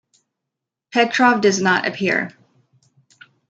Petrov does not appear.